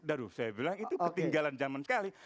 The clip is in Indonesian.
aduh saya bilang itu ketinggalan zaman sekali